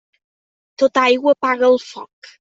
Tota aigua apaga el foc.